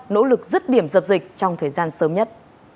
nỗ lực rứt điểm dập dịch trong thời gian sớm nhất